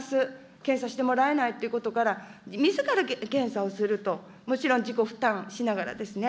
検査してもらえないっていうことから、みずから検査をすると、もちろん自己負担しながらですね。